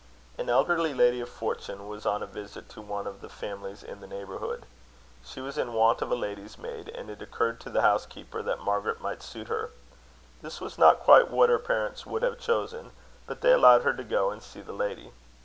An elderly lady of fortune was on a visit to one of the families in the neighbourhood. She was in want of a lady's maid, and it occurred to the housekeeper that Margaret might suit her. This was not quite what her parents would have chosen, but they allowed her to go and see the lady.